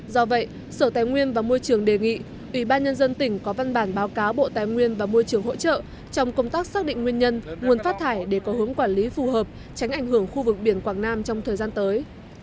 do vậy sở tài nguyên và môi trường đề nghị ủy ban nhân dân tỉnh có văn bản báo cáo bộ tài nguyên và môi trường hỗ trợ trong công tác xác định nguyên nhân nguồn phát thải để có hướng quản lý phù hợp tránh ảnh hưởng khu vực biển quảng nam trong thời gian tới